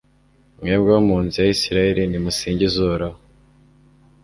mwebwe abo mu nzu ya israheli, nimusingize uhoraho